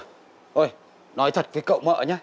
thôi nói thật với cậu mợ nhá